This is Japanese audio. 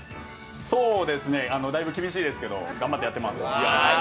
だいぶ厳しいですけど頑張ってやってます。